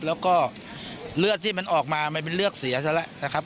แล้วก็เลือดที่มันออกมามันเป็นเลือดเสียซะแล้วนะครับ